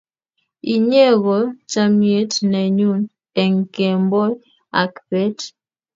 inye ko chamiet ne nyun eng' kemboi ak bet